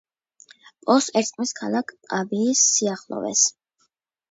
პოს ერწყმის ქალაქ პავიის სიახლოვეს.